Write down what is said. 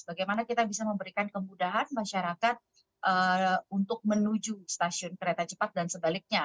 bagaimana kita bisa memberikan kemudahan masyarakat untuk menuju stasiun kereta cepat dan sebaliknya